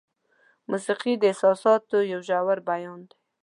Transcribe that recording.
موسیقي د احساساتو یو ژور بیان دی.